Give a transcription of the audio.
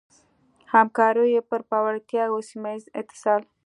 همکاریو پر پیاوړتیا ، سيمهييز اتصال